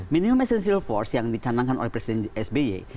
minimum essential force yang dicanangkan oleh presiden sby